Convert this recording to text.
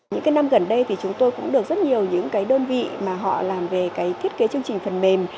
những cái năm gần đây thì chúng tôi cũng được rất nhiều những cái đơn vị mà họ làm về cái thiết kế chương trình phần mềm